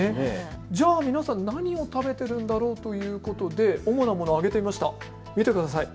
じゃあ皆さん、何を食べているんだろうということで主なものを挙げてみました。